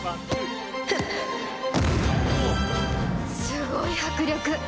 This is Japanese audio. すごい迫力！